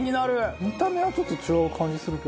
見た目はちょっと違う感じするけど。